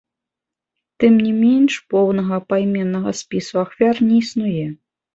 Тым не менш поўнага пайменнага спісу ахвяр не існуе.